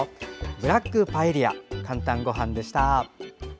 ブラックパエリア「かんたんごはん」でした。